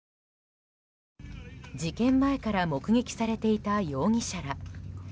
事件前から目撃されていた容疑者ら。